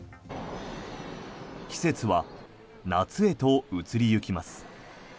季節は夏へと移り行きます。